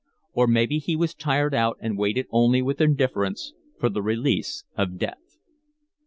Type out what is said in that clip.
Or maybe he was tired out and waited only with indifference for the release of death.